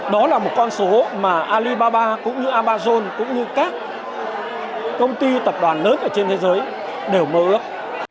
đó là một con số mà alibaba cũng như amazon cũng như các công ty tập đoàn lớn ở trên thế giới đều mơ ước